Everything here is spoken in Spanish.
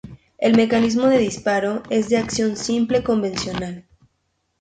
El mecanismo de disparo es de acción simple convencional.